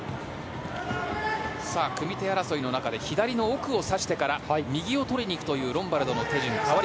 さあ、組み手争いの中で左の奥を差してから右をとりにいくというロンバルドの手順。